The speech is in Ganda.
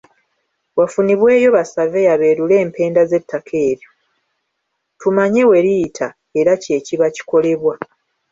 Wafunibweeyo ba Surveyor beerule empenda z'ettaka eryo tumanye weriyita era kye kiba kikolebwa.